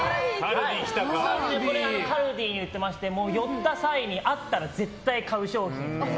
これはカルディで売ってまして寄った際にあったら絶対買う商品。